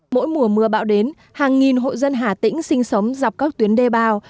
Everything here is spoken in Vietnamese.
mỗi mùa mưa bão đến hàng nghìn hội dân hà tĩnh sinh sống dọc các tuyến đê bào